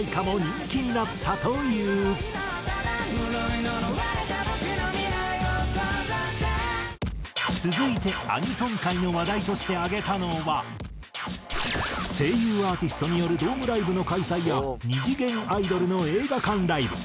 「今はただ呪い呪われた僕の未来を創造して」続いてアニソン界の話題として挙げたのは声優アーティストによるドームライブの開催や２次元アイドルの映画館ライブ。